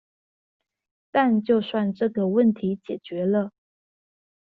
但就算這個問題解決了